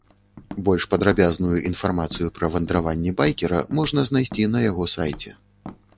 Больш падрабязную інфармацыю пра вандраванні байкера можна знайсці на яго сайце.